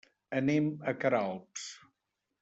Anem a Queralbs.